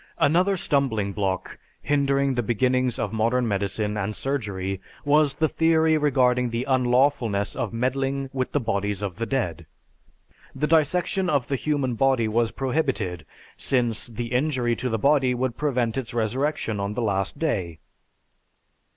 Another stumblingblock hindering the beginnings of modern medicine and surgery, was the theory regarding the unlawfulness of meddling with the bodies of the dead. The dissection of the human body was prohibited since the injury to the body would prevent its resurrection on the Last Day.